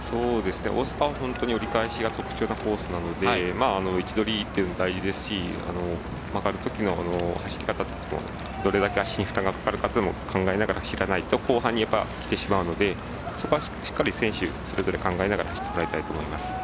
大阪は本当に折り返しが特徴なコースなので位置取りっていうのは大事ですし曲がるときの走り方っていうのも負担がかかるっていうのも考えながら、走らないと後半にきてしまうので選手たちはそれぞれ考えながら走ってもらいたいと思います。